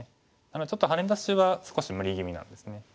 なのでちょっとハネ出しは少し無理ぎみなんですね。